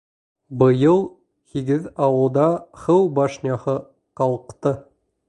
Быйыл һигеҙ ауылда һыу башняһы ҡалҡты.